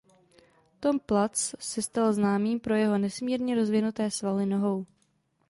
Tom Platz se stal známým pro jeho nesmírně rozvinuté svaly nohou.